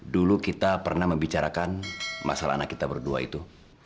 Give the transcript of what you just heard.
dulu kita pernah membicarakan masalah anak kita berdua itu